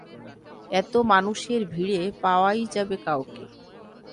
এতো মানুষের ভীড়ে, পাওয়াই যাবে কাউকে।